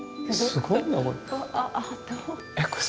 すごいねこれ。